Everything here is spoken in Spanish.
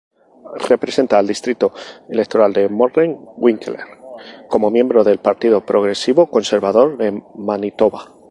Representa al distrito electoral de Morden-Winkler como miembro del Partido Progresivo Conservador de Manitoba.